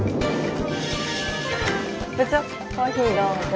部長コーヒーどうぞ。